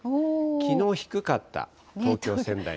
きのう低かった東京、仙台も。